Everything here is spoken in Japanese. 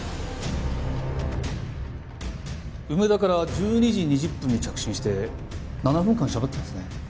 梅田から１２時２０分に着信して７分間しゃべってますね。